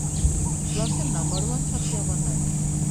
ক্লাসের number one ছাত্রী আমার নায়না!